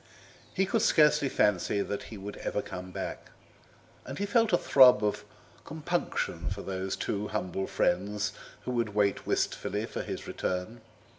He could scarcely fancy that he would ever come back, and he felt a throb of compunction for those two humble friends who would wait wistfully for his return.